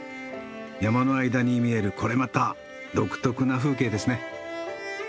山の間に見えるこれまた独特な風景ですね。